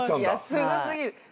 すご過ぎる。